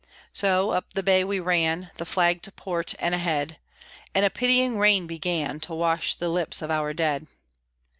So, up the Bay we ran, The Flag to port and ahead, And a pitying rain began To wash the lips of our dead.